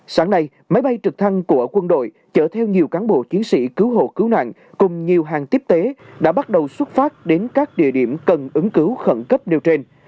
sáng nay máy bay trực thăng của quân đội chở theo nhiều cán bộ chiến sĩ cứu hộ cứu nạn cùng nhiều hàng tiếp tế đã bắt đầu xuất phát đến các địa điểm cần ứng cứu khẩn cấp nêu trên